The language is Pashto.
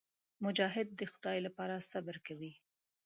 مجاهد د خدای لپاره صبر کوي.